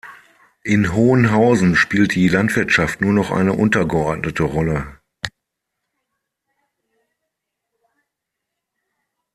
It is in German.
In Hohenhausen spielt die Landwirtschaft nur noch eine untergeordnete Rolle.